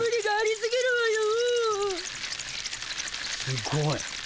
すごい。